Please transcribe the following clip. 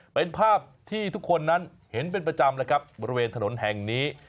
เป็นภาพที่ทุกคนนั้นเห็นเป็นประจำแล้วครับบริเวณถนนแห่งนี้